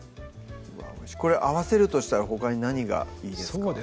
これ合わせるとしたらほかに何がいいですか？